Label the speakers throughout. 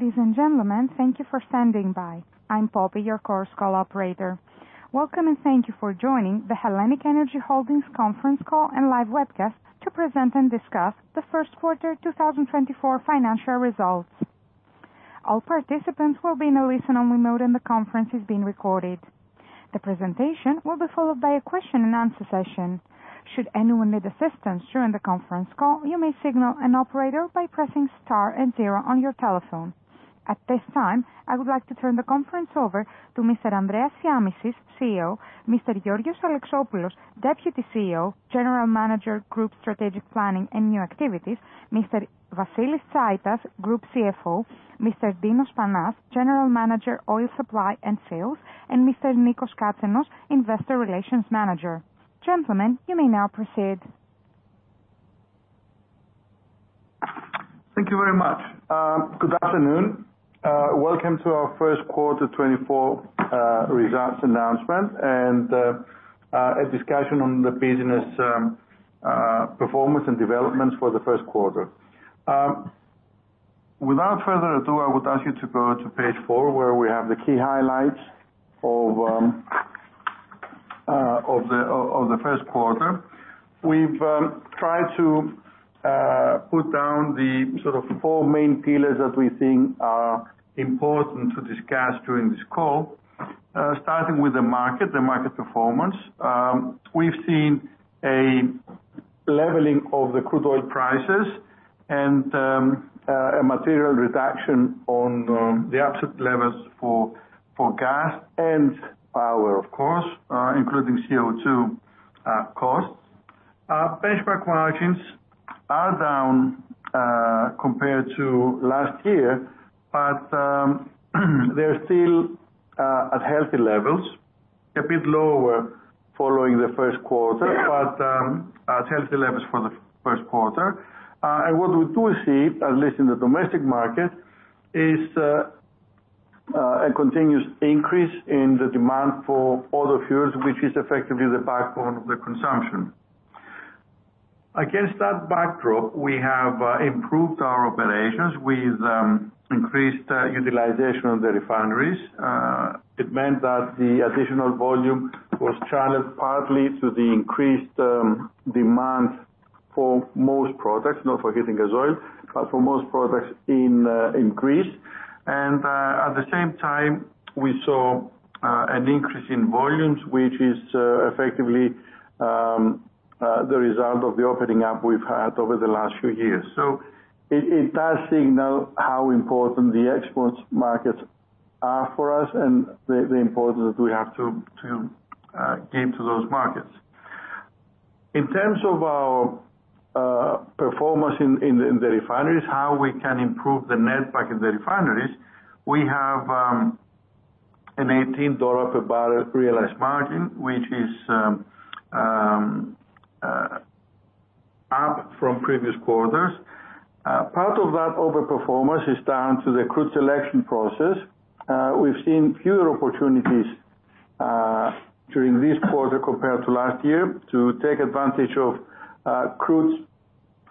Speaker 1: Ladies and gentlemen, thank you for standing by. I'm Poppy, your Chorus Call operator. Welcome, and thank you for joining the HELLENiQ ENERGY Holdings conference call and live webcast to present and discuss the first quarter 2024 financial results. All participants will be in a listen-only mode, and the conference is being recorded. The presentation will be followed by a question and answer session. Should anyone need assistance during the conference call, you may signal an operator by pressing star and zero on your telephone. At this time, I would like to turn the conference over to Mr. Andreas Shiamishis, CEO; Mr. George Alexopoulos, Deputy CEO, General Manager, Group Strategic Planning and New Activities; Mr. Vasilis Tsaitas, Group CFO; Mr. Dinos Panas, General Manager, Oil Supply and Sales; and Mr. Nikos Katsenos, Investor Relations Manager. Gentlemen, you may now proceed.
Speaker 2: Thank you very much. Good afternoon. Welcome to our first quarter 2024 results announcement and a discussion on the business performance and developments for the first quarter. Without further ado, I would ask you to go to page four, where we have the key highlights of the first quarter. We've tried to put down the sort of four main pillars that we think are important to discuss during this call. Starting with the market, the market performance. We've seen a leveling of the crude oil prices and a material reduction on the output levels for gas and power, of course, including CO2 costs. Benchmark margins are down compared to last year, but they're still at healthy levels, a bit lower following the first quarter, but at healthy levels for the first quarter. And what we do see, at least in the domestic market, is a continuous increase in the demand for other fuels, which is effectively the backbone of the consumption. Against that backdrop, we have improved our operations with increased utilization of the refineries. It meant that the additional volume was channeled partly to the increased demand for most products, not for Heating Gas Oil, but for most products in increase. And at the same time, we saw an increase in volumes, which is effectively the result of the opening up we've had over the last few years. So it does signal how important the export markets are for us and the importance that we have to gain to those markets. In terms of our performance in the refineries, how we can improve the net back in the refineries, we have an $18 per barrel realized margin, which is up from previous quarters. Part of that overperformance is down to the crude selection process. We've seen fewer opportunities during this quarter compared to last year, to take advantage of crude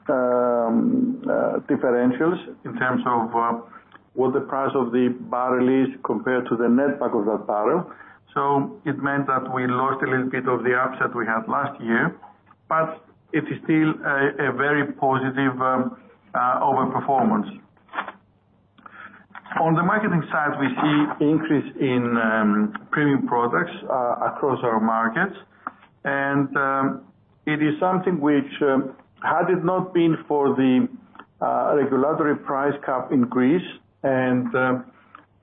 Speaker 2: differentials in terms of what the price of the barrel is compared to the net back of that barrel. So it meant that we lost a little bit of the upside we had last year, but it is still a very positive overperformance. On the marketing side, we see increase in premium products across our markets. It is something which had it not been for the regulatory price cap increase and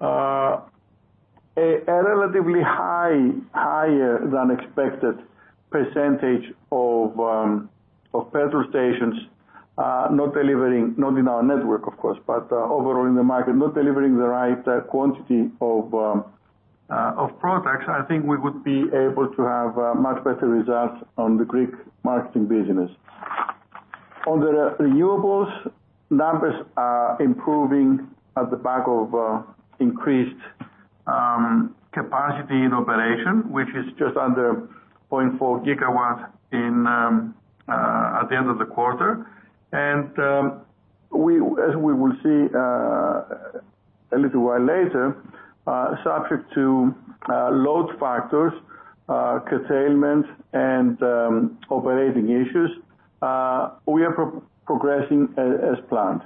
Speaker 2: a relatively high, higher than expected percentage of petrol stations not delivering, not in our network, of course, but overall in the market, not delivering the right quantity of products, I think we would be able to have much better results on the Greek marketing business. On the renewables, numbers are improving at the back of increased capacity in operation, which is just under 0.4 GW at the end of the quarter. We, as we will see, a little while later, subject to load factors, curtailment and operating issues, we are progressing as planned.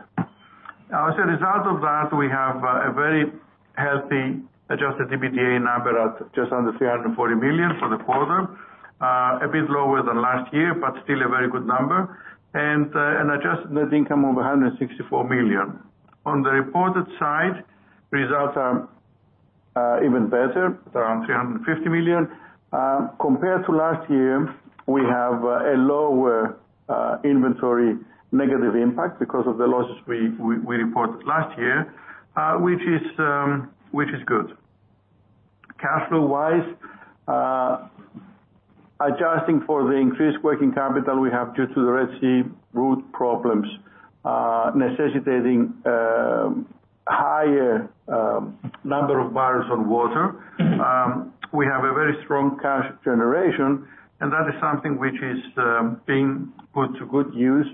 Speaker 2: As a result of that, we have a very healthy adjusted EBITDA number at just under 340 million for the quarter. A bit lower than last year, but still a very good number. An adjusted net income of 164 million. On the reported side, results are even better, around 350 million. Compared to last year, we have a lower inventory negative impact because of the losses we reported last year, which is good. Cash flow-wise, adjusting for the increased working capital we have due to the Red Sea route problems, necessitating higher number of barrels on water. We have a very strong cash generation, and that is something which is being put to good use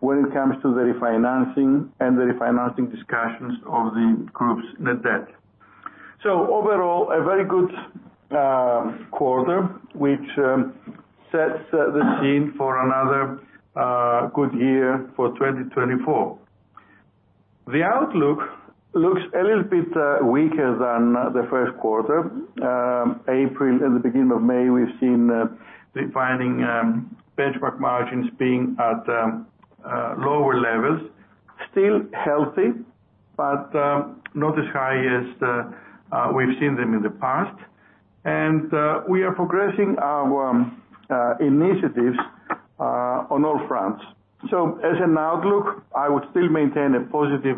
Speaker 2: when it comes to the refinancing and the refinancing discussions of the group's net debt. So overall, a very good quarter, which sets the scene for another good year for 2024. The outlook looks a little bit weaker than the first quarter. April, at the beginning of May, we've seen refining benchmark margins being at lower levels. Still healthy, but not as high as we've seen them in the past. And we are progressing our initiatives on all fronts. So as an outlook, I would still maintain a positive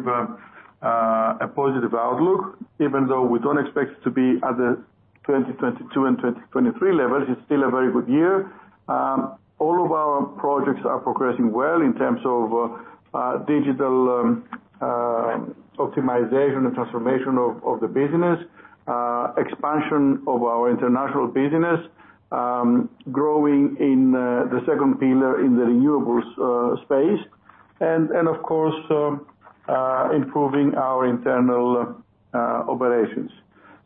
Speaker 2: outlook, even though we don't expect it to be at the 2022 and 2023 levels, it's still a very good year. All of our projects are progressing well in terms of digital optimization and transformation of the business. Expansion of our international business, growing in the second pillar in the renewables space, and of course improving our internal operations.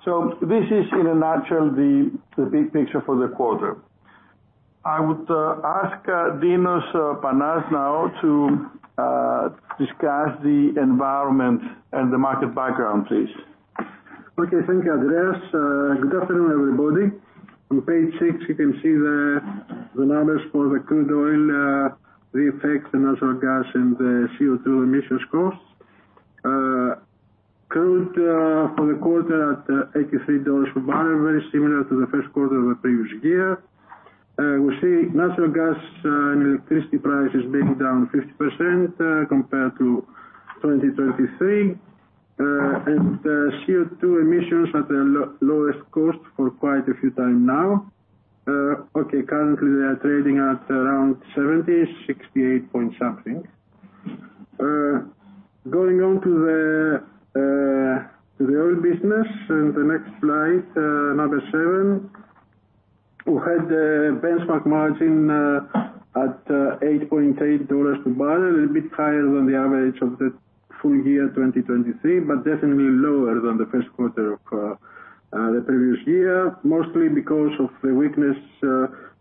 Speaker 2: So this is in a nutshell the big picture for the quarter. I would ask Dinos Panas now to discuss the environment and the market background, please.
Speaker 3: Okay, thank you, Andreas. Good afternoon, everybody. On page six, you can see the numbers for the crude oil refining, the natural gas and the CO2 emissions costs. Crude for the quarter at $83 per barrel, very similar to the first quarter of the previous year. We see natural gas and electricity prices being down 50%, compared to 2023. And CO2 emissions at the lowest cost for quite a few time now. Okay, currently they are trading at around 68.something. Going on to the oil business in the next slide, number seven. We had benchmark margin at $8.8 per barrel, a bit higher than the average of the full year 2023, but definitely lower than the first quarter of the previous year. Mostly because of the weakness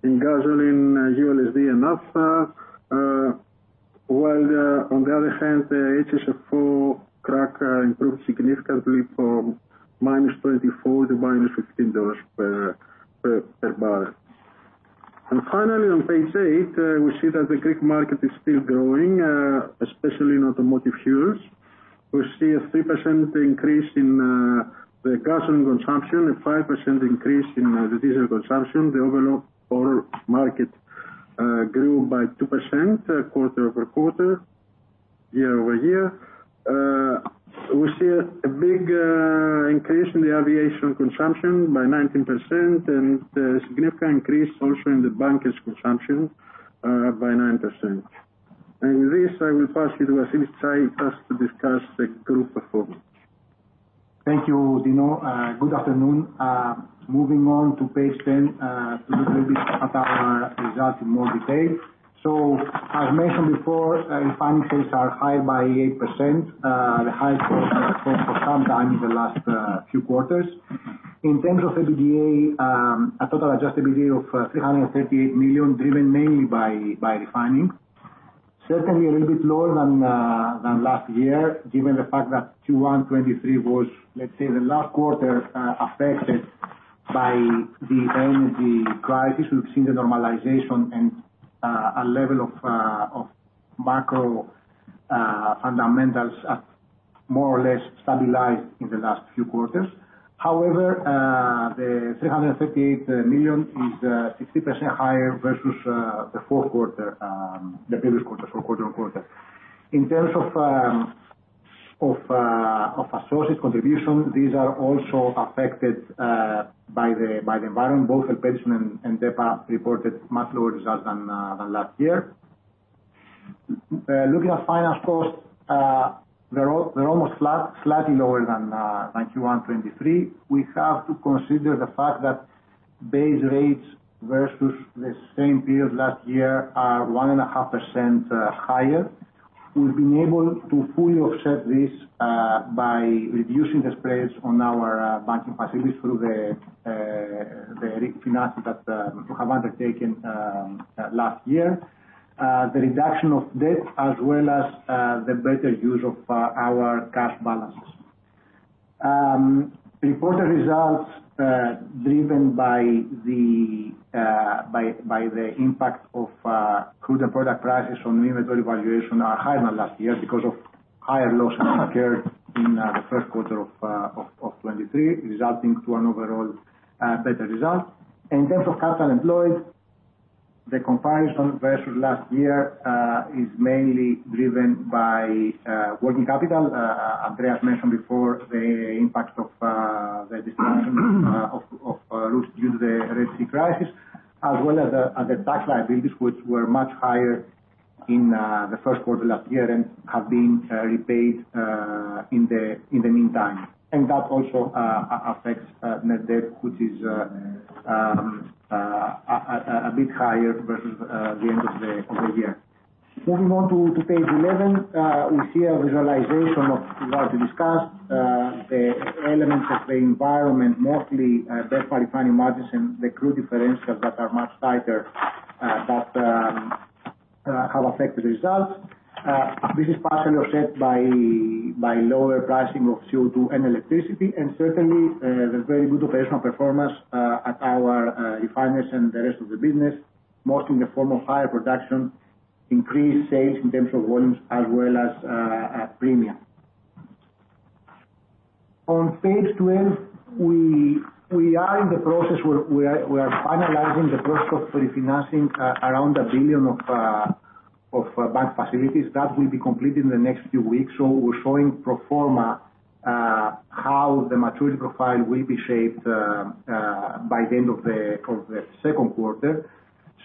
Speaker 3: in gasoline, ULSD and Naphtha. While on the other hand, the HSFO crack improved significantly from -$24 to -$15 per barrel. And finally, on page eight, we see that the Greek market is still growing, especially in automotive fuels. We see a 3% increase in the gasoline consumption, a 5% increase in the diesel consumption. The overall oil market grew by 2%, quarter-over-quarter, year-over-year. We see a big increase in the aviation consumption by 19%, and a significant increase also in the bunkers consumption by 9%. And with this, I will pass you to Vasilis Tsaitas to discuss the group performance.
Speaker 4: Thank you, Dino. Good afternoon. Moving on to page 10, to look a bit at our results in more detail. So as mentioned before, refining rates are high by 8%, the highest for some time in the last few quarters. In terms of EBITDA, a total adjusted EBITDA of 338 million, driven mainly by refining. Secondly, a little bit lower than last year, given the fact that Q1 2023 was, let's say, the last quarter affected by the energy crisis. We've seen the normalization and a level of macro fundamentals at more or less stabilized in the last few quarters. However, the 338 million is 60% higher versus the fourth quarter, the previous quarter, for quarter-over-quarter. In terms of of associates' contribution, these are also affected by the environment. Both Elpedison and DEPA reported much lower results than last year. Looking at finance costs, they're almost flat, slightly lower than Q1 2023. We have to consider the fact that base rates versus the same period last year are 1.5% higher. We've been able to fully offset this by reducing the spreads on our banking facilities through the refinancing that we have undertaken last year. The reduction of debt as well as the better use of our cash balances. Reported results driven by the impact of crude and product prices from inventory valuation are higher than last year, because of higher losses occurred in the first quarter of 2023, resulting to an overall better result. In terms of capital employed, the comparison versus last year is mainly driven by working capital. Andreas mentioned before the impact of the discussion due to the Red Sea crisis, as well as the tax liabilities, which were much higher in the first quarter last year, and have been repaid in the meantime. And that also affects net debt, which is a bit higher versus the end of the year. Moving on to page 11, we see a visualization of what we discussed, the elements of the environment, mostly, third-party refining margins and the crude differentials that are much tighter, that have affected results. This is partially offset by lower pricing of CO2 and electricity, and certainly, the very good operational performance at our refineries and the rest of the business, mostly in the form of higher production, increased sales in terms of volumes, as well as premium. On page 12, we are in the process where we are finalizing the process for refinancing around 1 billion of bank facilities. That will be completed in the next few weeks, so we're showing pro forma how the maturity profile will be shaped by the end of the second quarter.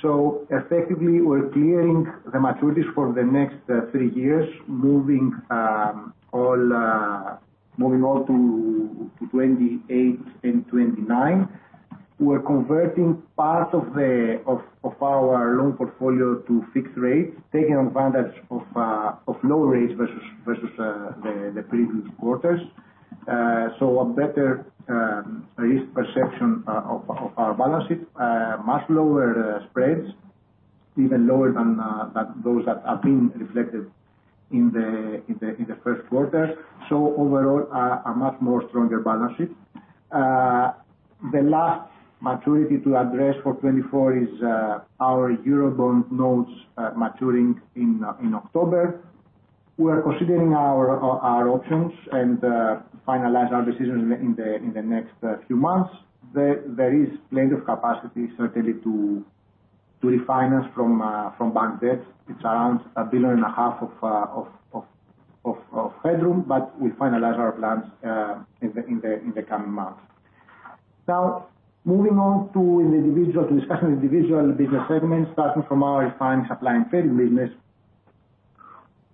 Speaker 4: So effectively, we're clearing the maturities for the next three years, moving all to 2028 and 2029. We're converting part of our loan portfolio to fixed rates, taking advantage of low rates versus the previous quarters. So a better risk perception of our balance sheet, much lower spreads, even lower than those that are being reflected in the first quarter. So overall, a much more stronger balance sheet. The last maturity to address for 2024 is our Eurobond notes maturing in October. We're considering our options and finalize our decisions in the next few months. There is plenty of capacity, certainly, to refinance from bank debt. It's around 1.5 billion of headroom, but we'll finalize our plans in the coming months. Now, moving on to discuss the individual business segments, starting from our refining, supplying, trading business.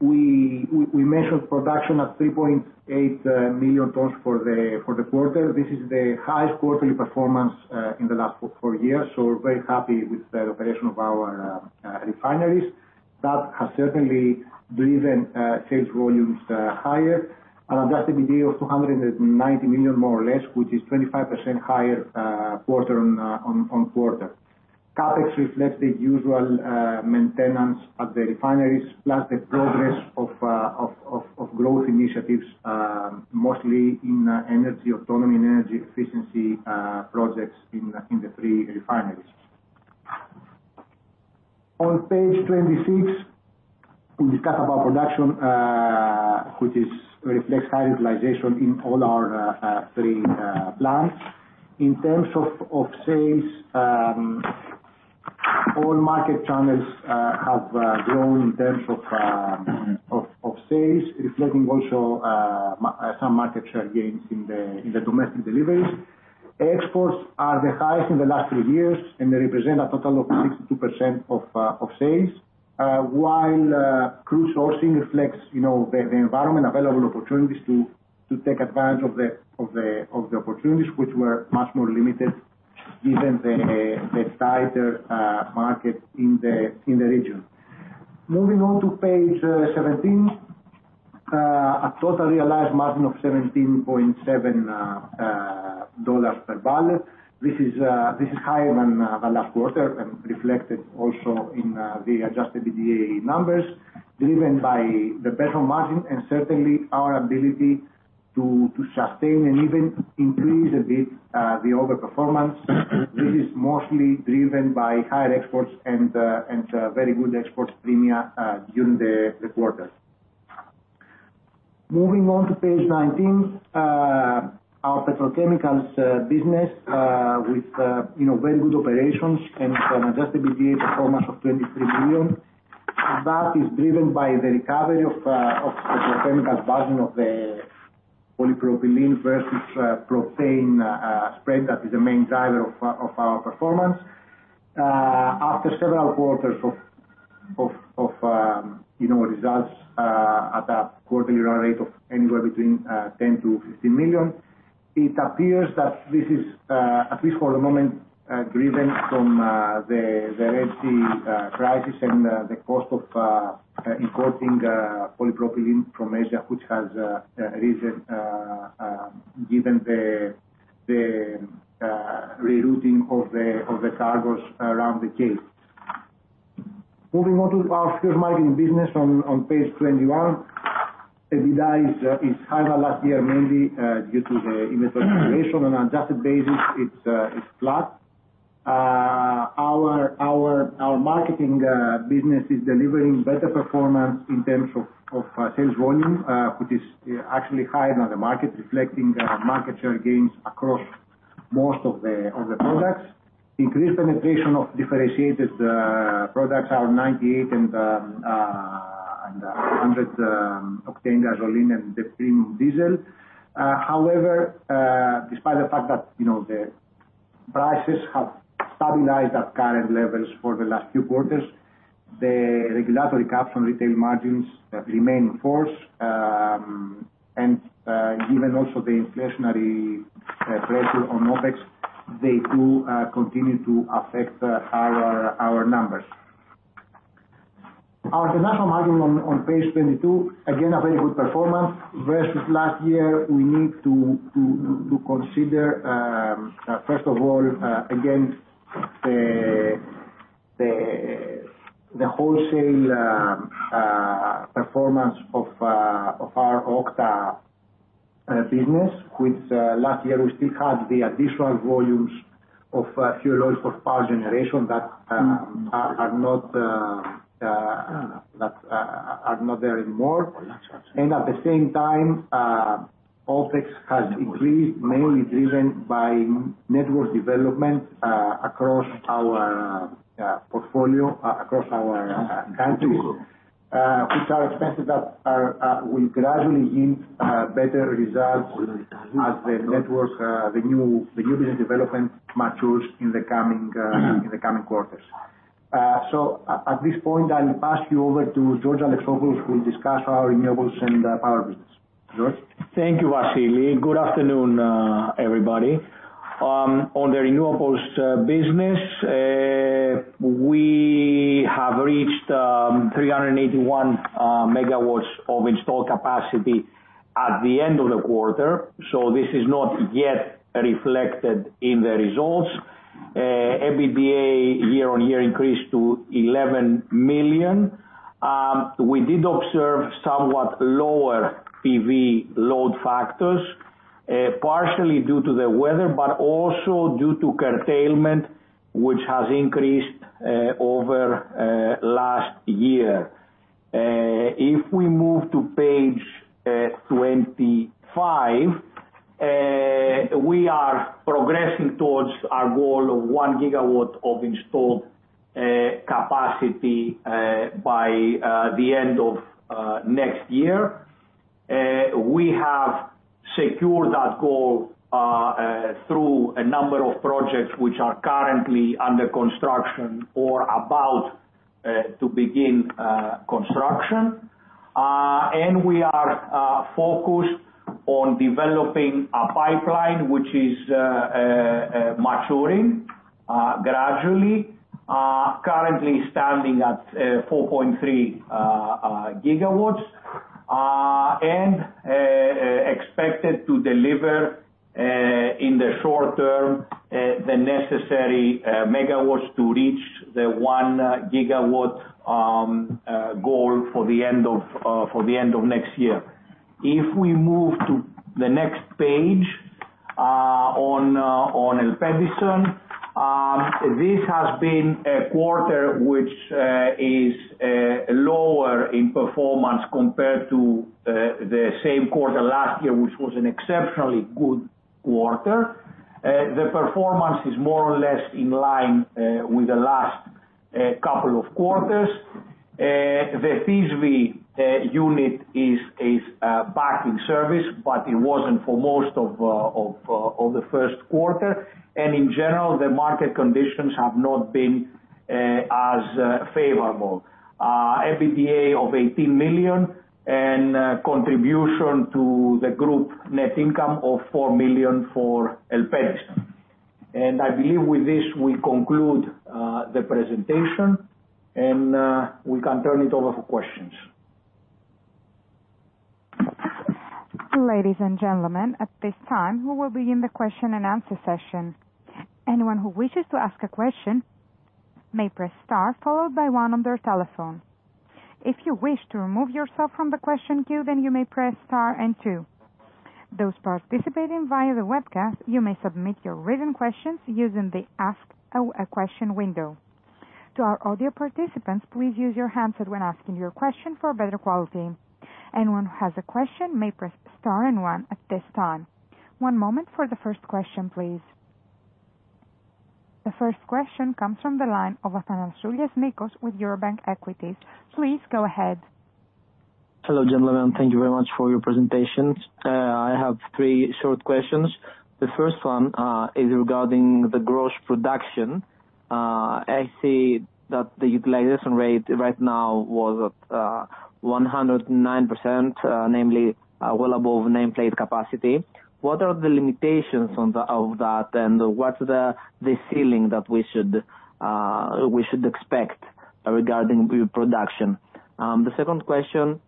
Speaker 4: We measured production at 3.8 million tons for the quarter. This is the highest quarterly performance in the last four years, so we're very happy with the operation of our refineries. That has certainly driven sales volumes higher, and Adjusted EBITDA of 290 million, more or less, which is 25% higher quarter on quarter. CapEx reflects the usual maintenance of the refineries, plus the progress of growth initiatives, mostly in energy autonomy and energy efficiency projects in the three refineries. On page 26, we discuss about production, which reflects high utilization in all our three plants. In terms of sales, all market channels have grown in terms of sales, reflecting also some market share gains in the domestic deliveries. Exports are the highest in the last three years, and they represent a total of 62% of sales. While crude sourcing reflects, you know, the environment, available opportunities to take advantage of the opportunities which were much more limited given the tighter market in the region. Moving on to page 17, a total realized margin of $17.7 per barrel. This is higher than the last quarter, and reflected also in the adjusted EBITDA numbers, driven by the better margin and certainly our ability to sustain and even increase a bit the overperformance. This is mostly driven by higher exports and very good export premium during the quarter. Moving on to page 19, our petrochemicals business with, you know, very good operations and an adjusted EBITDA performance of 23 million. That is driven by the recovery of the petrochemical margin of the polypropylene versus propane spread. That is the main driver of our performance. After several quarters of, you know, results at a quarterly rate of anywhere between 10-15 million, it appears that this is at least for the moment driven from the Red Sea crisis and the cost of importing polypropylene from Asia, which has risen given the rerouting of the cargos around the Cape. Moving on to our fuel marketing business on page 21. EBITDA is higher last year, mainly due to the inflation. On an adjusted basis, it's flat. Our marketing business is delivering better performance in terms of sales volume, which is actually higher than the market, reflecting the market share gains across most of the products. Increased penetration of differentiated products are 98 and 100 octane gasoline and the Premium Diesel. However, despite the fact that, you know, the prices have stabilized at current levels for the last few quarters, the regulatory caps on retail margins have remained in force. And, given also the inflationary pressure on OpEx, they do continue to affect our numbers. Our international market on page 22, again, a very good performance versus last year, we need to consider, first of all, against the wholesale performance of our OKTA business, which last year we still had the additional volumes of fuel oil for power generation that are not there anymore. And at the same time, OPEX has increased, mainly driven by network development across our portfolio across our countries, which are expenses that will gradually yield better results as the network, the new business development matures in the coming quarters. So at this point, I'll pass you over to George Alexopoulos, who will discuss our renewables and power business. George?
Speaker 5: Thank you, Vasilis. Good afternoon, everybody. On the renewables business, we have reached 381 megawatts of installed capacity at the end of the quarter, so this is not yet reflected in the results. EBITDA year-on-year increased to 11 million. We did observe somewhat lower PV load factors, partially due to the weather, but also due to curtailment, which has increased over last year. If we move to page 25, we are progressing towards our goal of 1 GW of installed capacity by the end of next year. We have secured that goal through a number of projects which are currently under construction or about to begin construction. We are focused on developing a pipeline, which is maturing gradually. Currently standing at 4.3 GW. Expected to deliver in the short term the necessary megawatts to reach the 1 GW goal for the end of next year. If we move to the next page, on Elpedison, this has been a quarter which is lower in performance compared to the same quarter last year, which was an exceptionally good quarter. The performance is more or less in line with the last couple of quarters. The Thisvi unit is back in service, but it wasn't for most of the first quarter. And in general, the market conditions have not been as favorable. EBITDA of 18 million, and contribution to the group net income of 4 million for Elpedison. And I believe with this, we conclude the presentation, and we can turn it over for questions.
Speaker 1: Ladies and gentlemen, at this time, we will begin the question and answer session. Anyone who wishes to ask a question may press star, followed by one on their telephone. If you wish to remove yourself from the question queue, then you may press star and two. Those participating via the webcast, you may submit your written questions using the Ask a Question window. To our audio participants, please use your handset when asking your question for better quality. Anyone who has a question may press star and one at this time. One moment for the first question, please. The first question comes from the line of Nikos Athanasoulias with Eurobank Equities. Please go ahead.
Speaker 6: Hello, gentlemen. Thank you very much for your presentations. I have three short questions. The first one is regarding the gross production. I see that the utilization rate right now was at 109%, namely well above nameplate capacity. What are the limitations on of that, and what's the ceiling that we should expect regarding refining production? The second question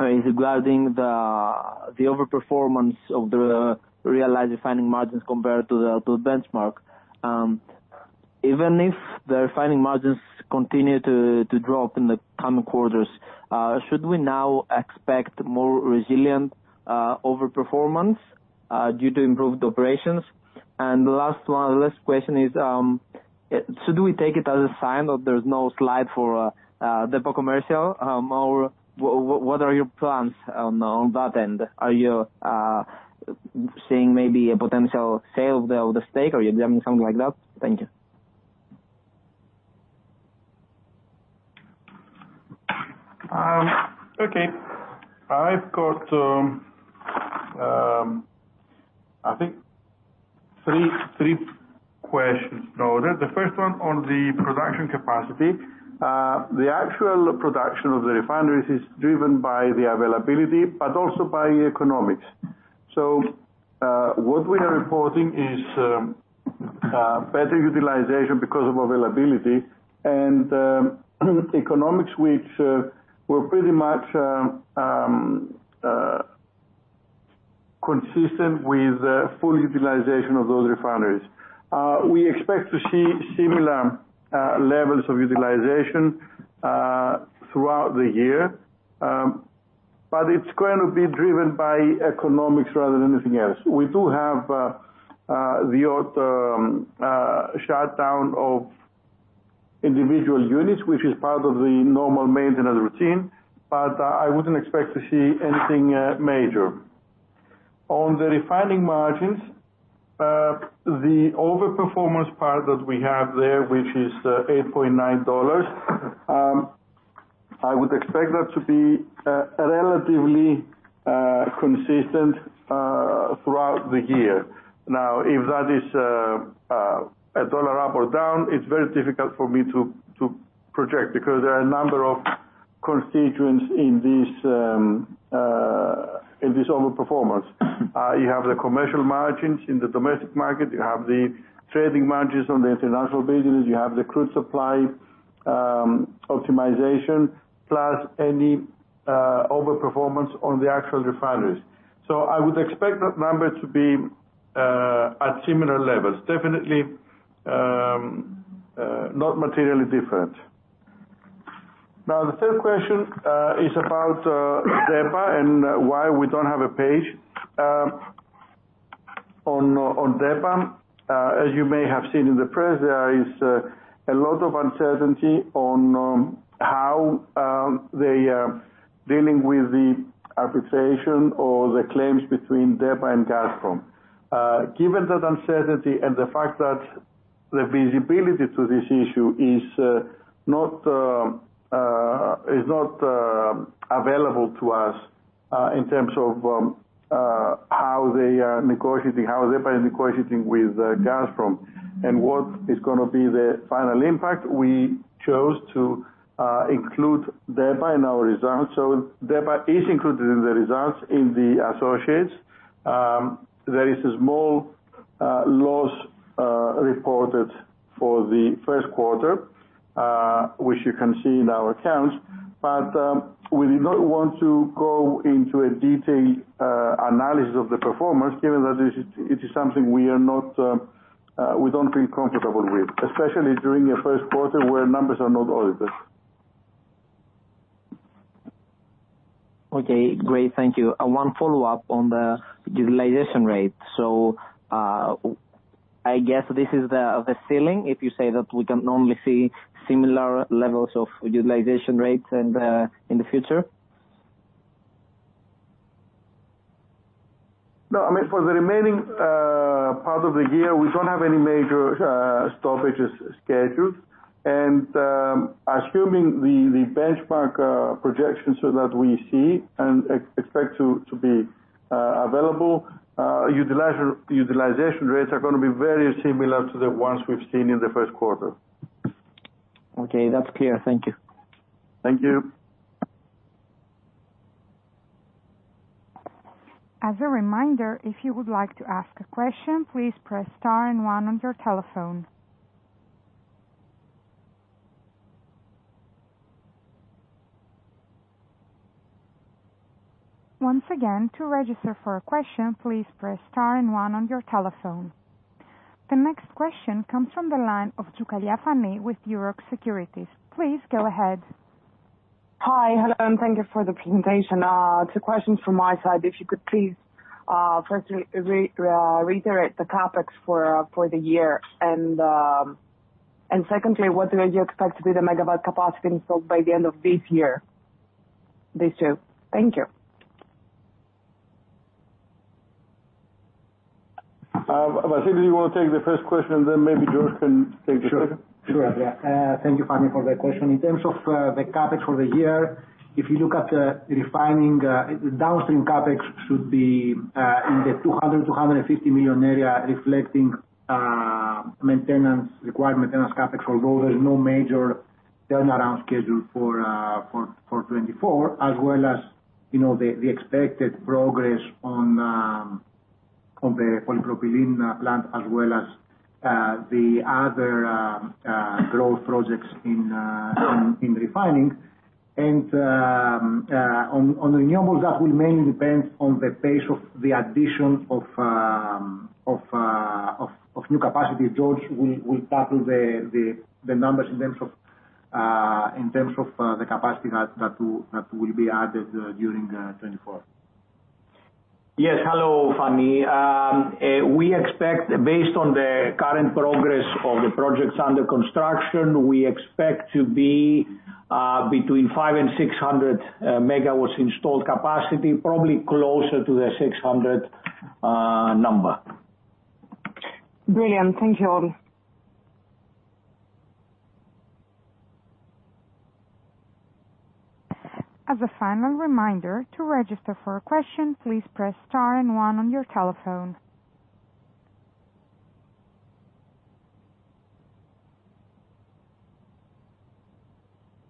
Speaker 6: is regarding the overperformance of the realized refining margins compared to the benchmark. Even if the refining margins continue to drop in the coming quarters, should we now expect more resilient overperformance due to improved operations? And the last one, the last question is, should we take it as a sign that there's no slide for DEPA Commercial, or what are your plans on that end? Are you seeing maybe a potential sale of the stake, or you're doing something like that? Thank you.
Speaker 2: Okay. I've got, I think three questions. No, the first one on the production capacity. The actual production of the refineries is driven by the availability, but also by economics.... So, what we are reporting is better utilization because of availability and economics which were pretty much consistent with full utilization of those refineries. We expect to see similar levels of utilization throughout the year. But it's going to be driven by economics rather than anything else. We do have the odd shutdown of individual units, which is part of the normal maintenance routine, but I wouldn't expect to see anything major. On the refining margins, the over-performance part that we have there, which is $8.9, I would expect that to be relatively consistent throughout the year. Now, if that is a dollar up or down, it's very difficult for me to project, because there are a number of constituents in this overperformance. You have the commercial margins in the domestic market, you have the trading margins on the international business, you have the crude supply optimization, plus any overperformance on the actual refineries. So I would expect that number to be at similar levels. Definitely not materially different. Now, the third question is about DEPA and why we don't have a page on DEPA. As you may have seen in the press, there is a lot of uncertainty on how they are dealing with the arbitration or the claims between DEPA and Gazprom. Given that uncertainty and the fact that the visibility to this issue is not available to us in terms of how they are negotiating, how DEPA is negotiating with Gazprom, and what is gonna be the final impact, we chose to include DEPA in our results. So DEPA is included in the results in the associates. There is a small loss reported for the first quarter, which you can see in our accounts. But we did not want to go into a detailed analysis of the performance, given that it is something we don't feel comfortable with, especially during a first quarter where numbers are not audited.
Speaker 6: Okay, great, thank you. One follow-up on the utilization rate. So, I guess this is the, the ceiling, if you say that we can only see similar levels of utilization rates in, in the future?
Speaker 2: No, I mean, for the remaining part of the year, we don't have any major stoppages scheduled. And, assuming the benchmark projections that we see and expect to be available, utilization rates are gonna be very similar to the ones we've seen in the first quarter.
Speaker 6: Okay, that's clear. Thank you.
Speaker 2: Thank you.
Speaker 1: As a reminder, if you would like to ask a question, please press star and one on your telephone. Once again, to register for a question, please press star and one on your telephone. The next question comes from the line of Fani Tzioukalia with Euroxx Securities. Please, go ahead.
Speaker 7: Hi, hello, and thank you for the presentation. Two questions from my side. If you could please, first reiterate the CapEx for the year. And secondly, what do you expect to be the megawatt capacity installed by the end of this year? These two. Thank you.
Speaker 2: Vasilis, do you wanna take the first question, and then maybe George can take the second?
Speaker 4: Sure. Sure, yeah. Thank you, Fani, for the question. In terms of the CapEx for the year, if you look at the refining, downstream CapEx should be in the 200 million-250 million area, reflecting maintenance, required maintenance CapEx for growth. There's no major turnaround schedule for 2024, as well as, you know, the expected progress on the polypropylene plant, as well as the other growth projects in refining. And on the renewables, that will mainly depend on the pace of the addition of new capacity. George will tackle the numbers in terms of the capacity that will be added during 2024.
Speaker 5: Yes. Hello, Fani. We expect, based on the current progress of the projects under construction, to be between 500 and 600 MW installed capacity, probably closer to the 600 number.
Speaker 7: Brilliant. Thank you all.
Speaker 1: As a final reminder, to register for a question, please press star and one on your telephone.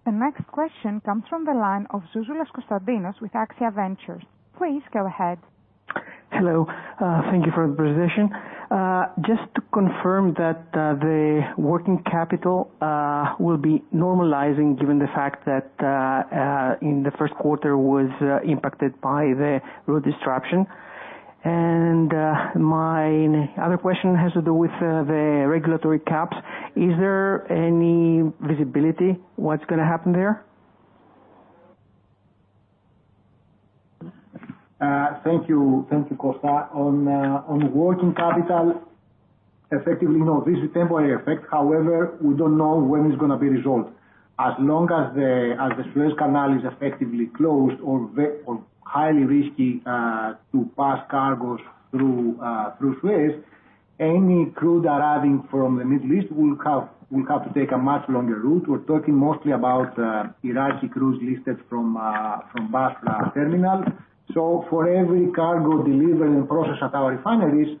Speaker 1: The next question comes from the line of Constantinos Zouzoulas with Axia Ventures. Please go ahead.
Speaker 8: Hello, thank you for the presentation. Just to confirm that the working capital will be normalizing given the fact that in the first quarter was impacted by the Red Sea disruption. My other question has to do with the regulatory caps. Is there any visibility, what's gonna happen there?
Speaker 4: Thank you. Thank you, Costa. On working capital, effectively, no, this is a temporary effect. However, we don't know when it's gonna be resolved. As long as the Suez Canal is effectively closed or highly risky to pass cargos through Suez, any crude arriving from the Middle East will have, will have to take a much longer route. We're talking mostly about Iraqi crude lifted from Basra terminal. So for every cargo delivery and process at our refineries,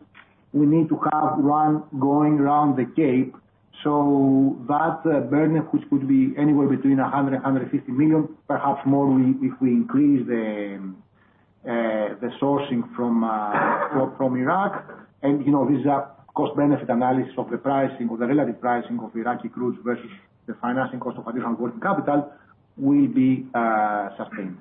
Speaker 4: we need to have one going around the cape. So that burden, which could be anywhere between 100 million-150 million, perhaps more, we, if we increase the sourcing from Iraq, and, you know, this is a cost benefit analysis of the pricing or the relative pricing of Iraqi crude versus the financing cost of additional working capital will be sustained.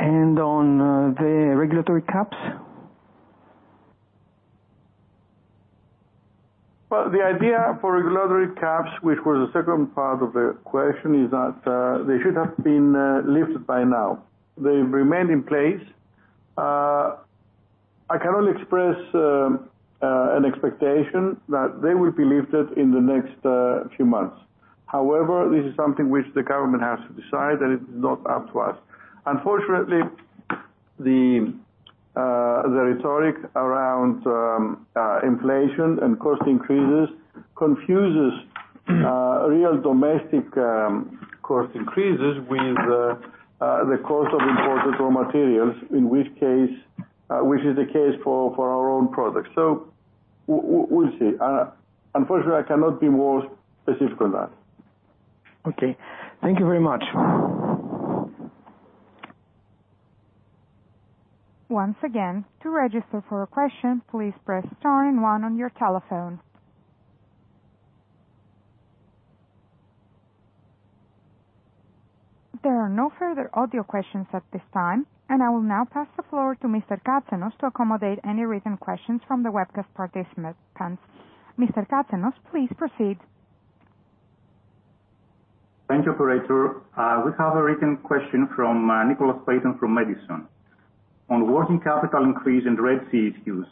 Speaker 8: On the regulatory caps?
Speaker 2: Well, the idea for regulatory caps, which was the second part of the question, is that they should have been lifted by now. They remain in place. I can only express an expectation that they will be lifted in the next few months. However, this is something which the government has to decide, and it is not up to us. Unfortunately, the rhetoric around inflation and cost increases confuses real domestic cost increases with the cost of imported raw materials, in which case, which is the case for our own products. So we'll see. Unfortunately, I cannot be more specific on that.
Speaker 8: Okay. Thank you very much.
Speaker 1: Once again, to register for a question, please press star and one on your telephone. There are no further audio questions at this time, and I will now pass the floor to Mr. Katsenos to accommodate any written questions from the webcast participants. Mr. Katsenos, please proceed.
Speaker 9: Thank you, operator. We have a written question from Nicholas Payton from Edison. On working capital increase in Red Sea issues,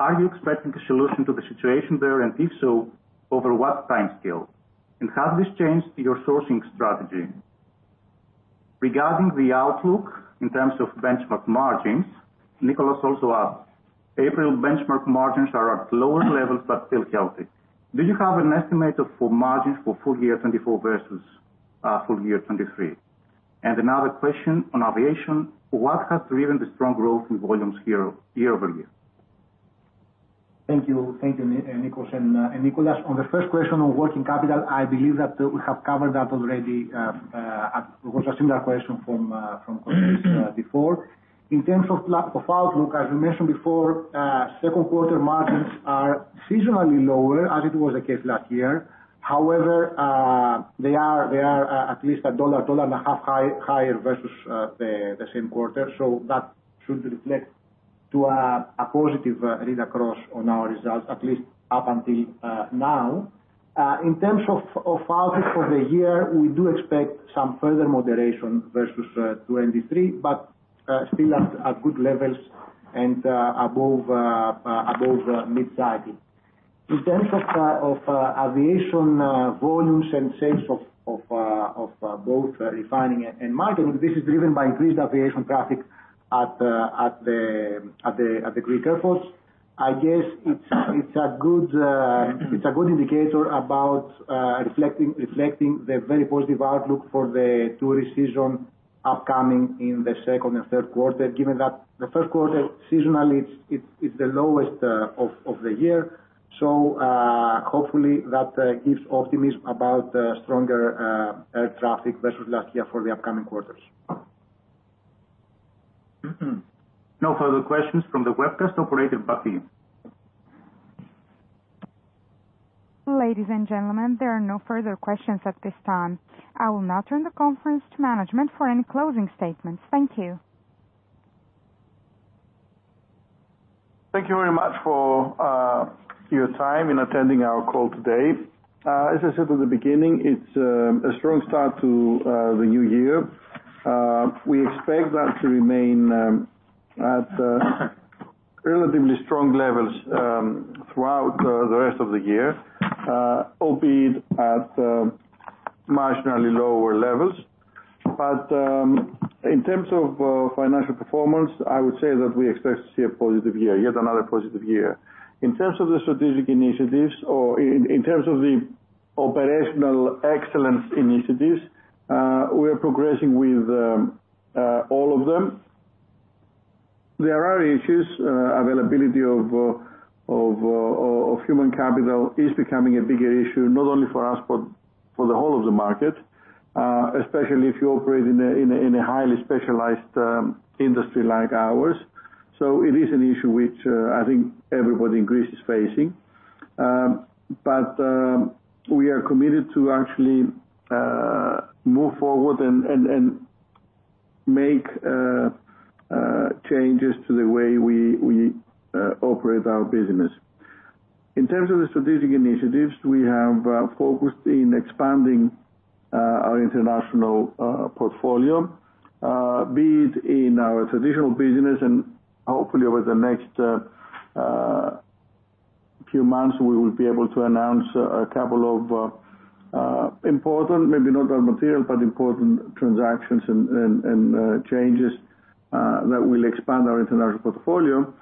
Speaker 9: are you expecting a solution to the situation there, and if so, over what timescale? And has this changed your sourcing strategy? Regarding the outlook in terms of benchmark margins, Nicholas also asks, April benchmark margins are at lower levels, but still healthy. Do you have an estimate for margins for full year 2024 versus full year 2023? And another question on aviation, what has driven the strong growth in volumes year-over-year?
Speaker 4: Thank you. Thank you, Nicholas and Nicholas, on the first question on working capital, I believe that we have covered that already. It was a similar question from before. In terms of outlook, as we mentioned before, second quarter margins are seasonally lower, as it was the case last year. However, they are at least $1.5 higher versus the same quarter. So that should reflect to a positive read across on our results, at least up until now. In terms of outlook for the year, we do expect some further moderation versus 2023, but still at good levels and above mid-cycle. In terms of aviation volumes and sales of both refining and marketing, this is driven by increased aviation traffic at the Greek airports. I guess it's a good indicator about reflecting the very positive outlook for the tourist season upcoming in the second and third quarter, given that the first quarter, seasonally, it's the lowest of the year. So, hopefully that gives optimism about stronger air traffic versus last year for the upcoming quarters.
Speaker 9: No further questions from the webcast operator back to you.
Speaker 1: Ladies and gentlemen, there are no further questions at this time. I will now turn the conference to management for any closing statements. Thank you.
Speaker 2: Thank you very much for your time in attending our call today. As I said in the beginning, it's a strong start to the new year. We expect that to remain at relatively strong levels throughout the rest of the year, albeit at marginally lower levels. But in terms of financial performance, I would say that we expect to see a positive year, yet another positive year. In terms of the strategic initiatives or in terms of the operational excellence initiatives, we are progressing with all of them. There are issues. Availability of human capital is becoming a bigger issue, not only for us, but for the whole of the market, especially if you operate in a highly specialized industry like ours. So it is an issue which, I think everybody in Greece is facing. But, we are committed to actually move forward and make changes to the way we operate our business. In terms of the strategic initiatives, we have focused in expanding our international portfolio, be it in our traditional business, and hopefully over the next few months, we will be able to announce a couple of important, maybe not material, but important transactions and changes that will expand our international portfolio.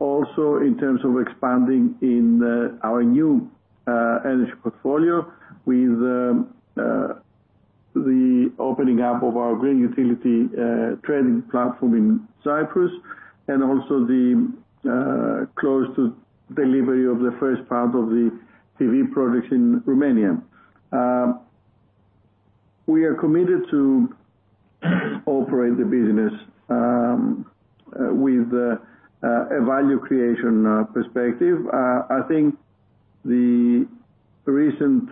Speaker 2: Also in terms of expanding in our new energy portfolio with the opening up of our green utility trading platform in Cyprus, and also the close to delivery of the first part of the PV projects in Romania. We are committed to operate the business with a value creation perspective. I think the recent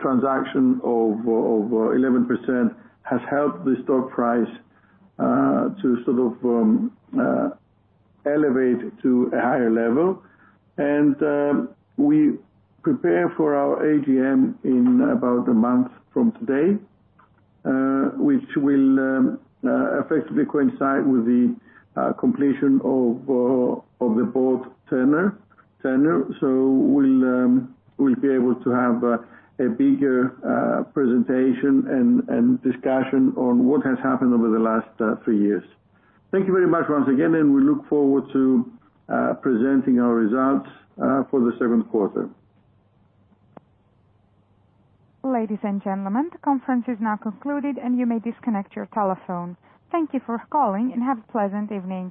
Speaker 2: transaction of 11% has helped the stock price to sort of elevate to a higher level. And we prepare for our AGM in about a month from today, which will effectively coincide with the completion of the board tenure. So we'll be able to have a bigger presentation and discussion on what has happened over the last three years. Thank you very much once again, and we look forward to presenting our results for the second quarter.
Speaker 1: Ladies and gentlemen, the conference is now concluded, and you may disconnect your telephone. Thank you for calling, and have a pleasant evening.